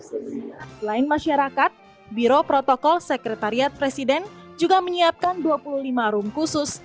selain masyarakat biro protokol sekretariat presiden juga menyiapkan dua puluh lima arum khusus